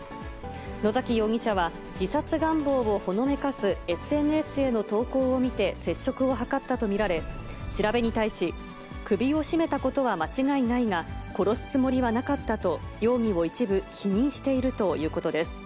野崎容疑者は、自殺願望をほのめかすＳＮＳへの投稿を見て接触を図ったと見られ、調べに対し、首を絞めたことは間違いないが、殺すつもりはなかったと、容疑を一部否認しているということです。